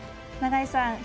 永井さん